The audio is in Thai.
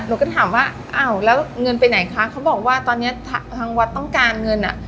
หนูก็ถามว่าอ้าวแล้วเงินไปไหนคะเขาบอกว่าตอนนี้ทางวัดต้องการเงินอ่ะ